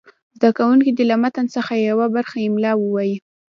زده کوونکي دې له متن څخه یوه برخه املا ووایي.